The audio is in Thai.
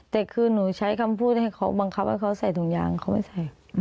แต่คือหนูใช้คำพูดให้เขาบังคับให้เขาใส่ถุงยางเขาไม่ใส่